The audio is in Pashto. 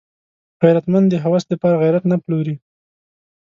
غیرتمند د هوس د پاره غیرت نه پلوري